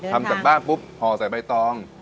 ทำจากบ้านปุ๊บห่อใส่ใบตอง